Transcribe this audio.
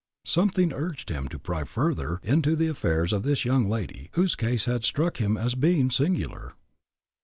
Something urged him to pry further into the affairs of this young lady, whose case had struck him as being singular.